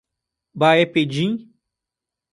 Baependi